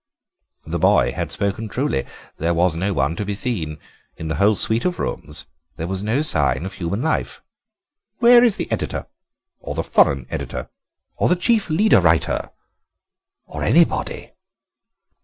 The boy had spoken truly; there was no one to be seen. In the whole suite of rooms there was no sign of human life. "'Where is the editor?' 'Or the foreign editor?' 'Or the chief leader writer? Or anybody?